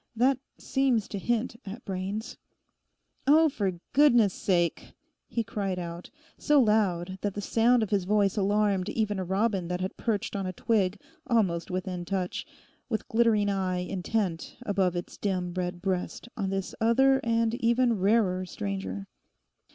That seems to hint at brains... Oh, for goodness' sake!' he cried out; so loud that the sound of his voice alarmed even a robin that had perched on a twig almost within touch, with glittering eye intent above its dim red breast on this other and even rarer stranger.